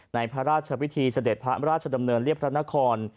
พระราชพิธีเสด็จพระราชดำเนินเรียบพระนคร